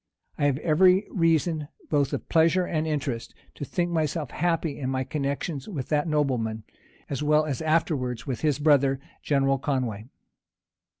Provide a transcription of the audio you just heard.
I have every reason, both of pleasure and interest; to think myself happy in my connections with that nobleman, as well as afterwards with his brother, General Conway.